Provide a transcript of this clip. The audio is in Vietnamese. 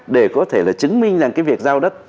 để có thể là chứng minh rằng cái việc giao đất